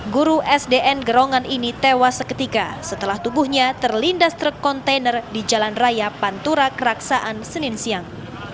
guru sdn gerongan ini tewas seketika setelah tubuhnya terlindas truk kontainer di jalan raya pantura keraksaan senin siang